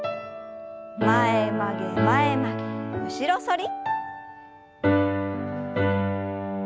前曲げ前曲げ後ろ反り。